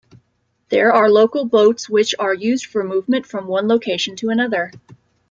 There are local boats which are used for movement from one location to another.